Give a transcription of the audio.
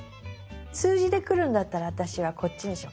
数字でくるんだったら私はこっちにしよう。